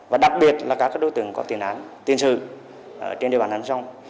và đặc biệt là các đối tượng có tiền án tiền sự trên địa bàn nam dông